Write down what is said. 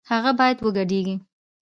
هغه بايد وګډېږي